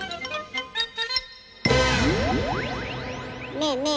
ねえねえ